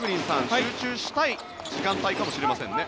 集中したい時間帯かもしれませんね。